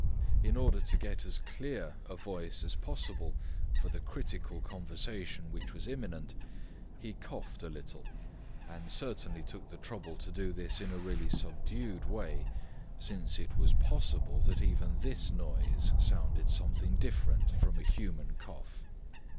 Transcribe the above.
In order to get as clear a voice as possible for the critical conversation which was imminent, he coughed a little, and certainly took the trouble to do this in a really subdued way, since it was possible that even this noise sounded like something different from a human cough.